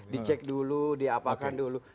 dicek dulu diapakan dulu